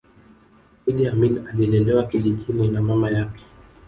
iddi amin alilelewa kijijini na mama yake